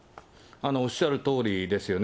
おっしゃるとおりですよね。